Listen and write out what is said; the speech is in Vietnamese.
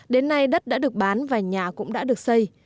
đến nay đất đã được bán và nhà cũng đã được xây